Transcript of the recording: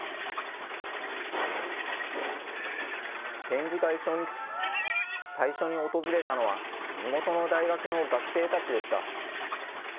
展示会初日、最初に訪れたのは、地元の大学の学生たちでした。